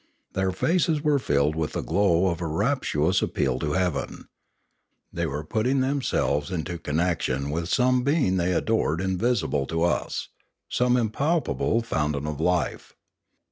Their faces were filled with the glow of a rap turous appeal to heaven. They were putting them selves into connection with some being they adored invisible to us, some impalpable fountain of life.